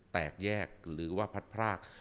แตกแยกหรือว่าพัดพราก